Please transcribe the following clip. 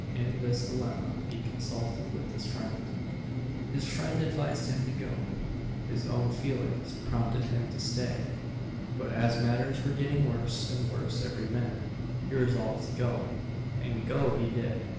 In this dilemma he consulted with his friend; his friend advised him to go, his own feelings prompted him to stay; but, as matters were getting worse and worse every minute, he resolved to go and go he did.